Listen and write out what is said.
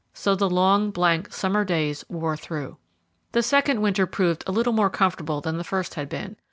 So the long, blank, summer days wore through. The second winter proved a little more comfortable than the first had been.